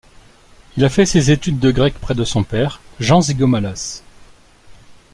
Il a fait ses études de grec près de son père Jean Zygomalas.